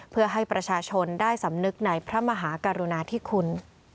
เพื่อให้ประชาชนได้สำนึกในพระมหากรุณาธิคุณ